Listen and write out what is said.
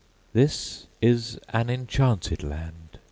This is an enchanted land!